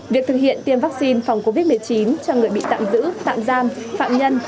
việc thực hiện tiêm vaccine phòng covid một mươi chín cho người bị tạm giữ tạm giam phạm nhân